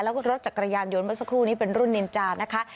แล้วก็รถจักรยานยนต์เมื่อสักครู่นี้เป็นรุ่นนินจานะคะ